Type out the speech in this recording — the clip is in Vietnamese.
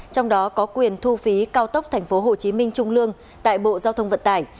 trong đó có quyền thu phí cao tốc tp hcm trung lương tại bộ giao thông vận tải